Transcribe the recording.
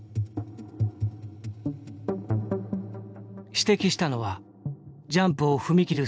指摘したのはジャンプを踏み切る